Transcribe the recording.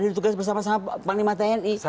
dia tugas bersama sama panglima tni